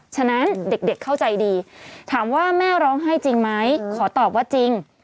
ฉะนั้นเด็กเข้าใจดีถามว่าแม่ร้องไห้จริงไหมขอตอบว่าจริง